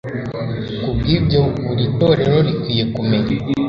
ku bw ibyo buri torero rikwiriye kumenya